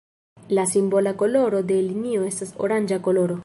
La simbola koloro de linio estas oranĝa koloro.